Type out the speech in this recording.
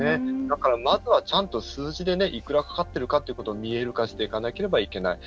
だから、まずはちゃんと数字でいくらかかってるかということを見える化していかなければいけない。